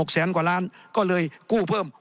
แสนกว่าล้านก็เลยกู้เพิ่ม